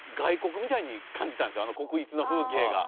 あの国立の風景が。